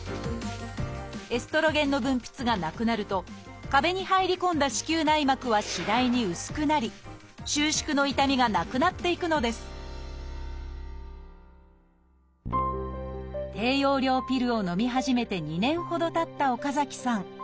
エストロゲンの分泌がなくなると壁に入り込んだ子宮内膜は次第に薄くなり収縮の痛みがなくなっていくのです低用量ピルをのみ始めて２年ほどたった岡崎さん。